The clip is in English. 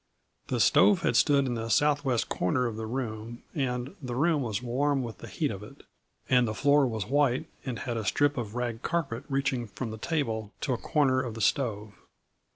The stove had stood in the southwest corner of the room, and the room was warm with the heat of it; and the floor was white and had a strip of rag carpet reaching from the table to a corner of the stove.